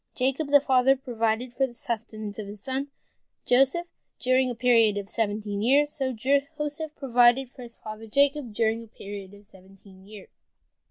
Jacob the father provided for the sustenance of his son Joseph during a period of seventeen years, so Joseph the son provided for his father Jacob during a period of seventeen years.